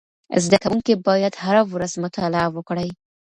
زده کوونکي باید هره ورځ مطالعه وکړي.